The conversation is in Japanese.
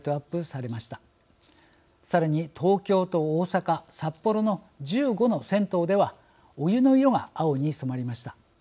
さらに東京と大阪札幌の１５の銭湯ではお湯の色が青に染まりました。